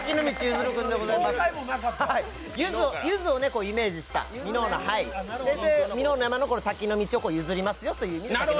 ゆずをイメージした箕面市のゆずを譲りますよという。